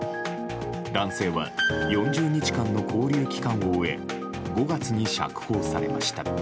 男性は４０日間の勾留期間を終え５月に釈放されました。